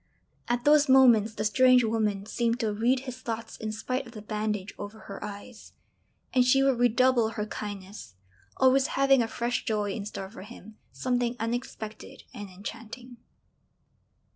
At those moments the strange woman seemed to read his thoughts in spite of the bandage over her eyes; and she would redouble her kindness, always having a fresh joy in store for him, something unexpected and enchanting.